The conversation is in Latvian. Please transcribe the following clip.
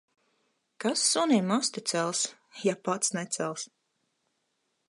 Kas sunim asti cels, ja pats necels.